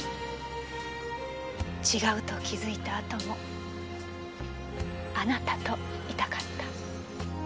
違うと気づいたあともあなたといたかった。